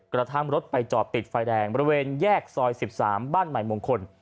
กระทั่งรถไปจอดติดไฟแดงบริเวณแยกซอย๑๓บ้านใหม่มงคล